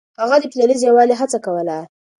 هغه د ټولنيز يووالي هڅه کوله.